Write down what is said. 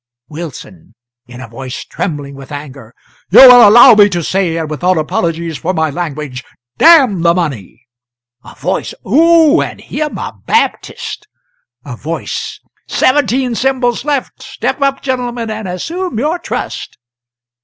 Wilson [in a voice trembling with anger]. "You will allow me to say, and without apologies for my language, damn the money!" A Voice. "Oh, and him a Baptist!" A Voice. "Seventeen Symbols left! Step up, gentlemen, and assume your trust!"